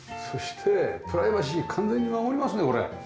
そしてプライバシー完全に守りますねこれ。